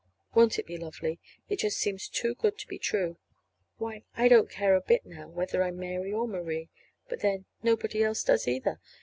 Won't it be lovely? It just seems too good to be true. Why, I don't care a bit now whether I'm Mary or Marie. But, then, nobody else does, either.